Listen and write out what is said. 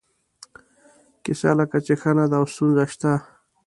کیسه لکه چې ښه نه ده او ستونزه شته.